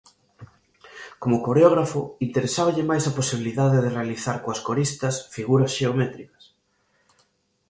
Como coreógrafo interesáballe máis a posibilidade de realizar coas coristas figuras xeométricas.